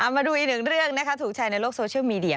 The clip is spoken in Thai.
มาดูอีกหนึ่งเรื่องนะคะถูกแชร์ในโลกโซเชียลมีเดีย